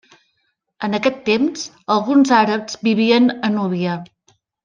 En aquest temps, alguns àrabs vivien a Núbia.